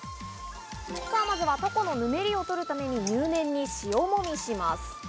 まずはタコのぬめりを取るために入念に塩もみします。